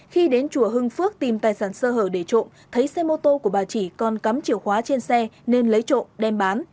khi đến chùa hưng phước tìm tài sản sơ hở để trộm thấy xe mô tô của bà chỉ còn cắm chìa khóa trên xe nên lấy trộm đem bán